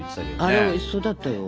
あれおいしそうだったよ。